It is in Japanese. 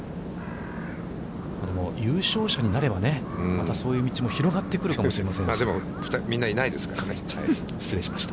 優勝者になればね、またそういう道も広がってくるかも知れませんし。